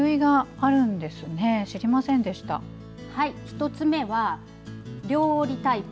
１つ目は両折りタイプ。